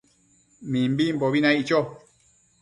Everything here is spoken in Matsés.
Mimbimbo naic cho